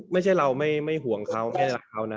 ไม่ใช่เราไม่ห่วงเขาไม่รักเขานะ